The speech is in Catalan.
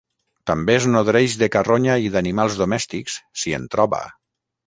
També es nodreix de carronya i d'animals domèstics, si en troba.